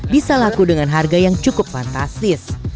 bisa laku dengan harga yang cukup fantastis